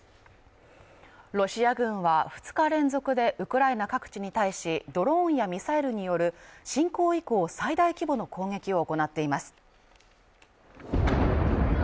ロシア軍は２日連続でウクライナ各地に対し、ドローンやミサイルによる侵攻以降最大規模の攻撃を行っています。